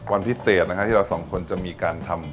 วันพิเศษนะครับที่เราสองคนจะมีการทำ